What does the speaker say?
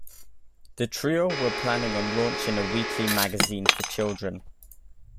The trio were planning on launching a weekly magazine for children.